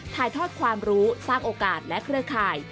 ถ่ายทอดความรู้สร้างโอกาสและเครือข่าย